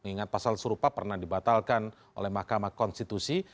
ingat pasal serupa pernah dibatalkan oleh mahkamah konstitusi